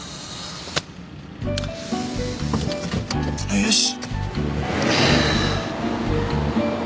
よし。